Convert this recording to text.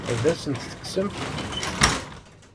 Ad asen-t-tekksemt?